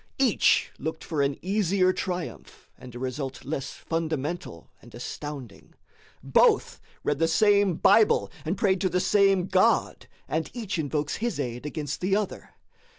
Each looked for an easier triumph, and a result less fundamental and astounding. Both read the same Bible, and pray to the same God; and each invokes his aid against the other.